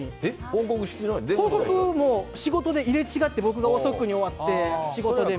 報告も仕事で入れ違って僕が遅くに終わって仕事で。